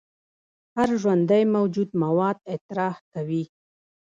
هر ژوندی موجود مواد اطراح کوي